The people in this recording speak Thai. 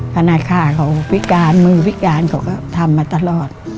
ธนาคารเขาพิการมือพิการเขาก็ทำมาตลอด